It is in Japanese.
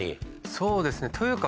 そうですねというか